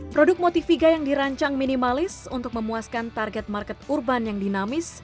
produk motiviga yang dirancang minimalis untuk memuaskan target market urban yang dinamis